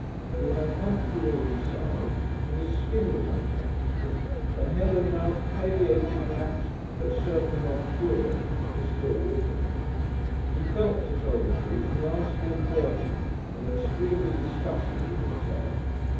He was uncomfortable inside and his skin was uncomfortable, and Head and Mouth palliated perhaps, but certainly not cured, were still with him. He felt, to tell the truth, nasty and dirty and extremely disgusted with himself.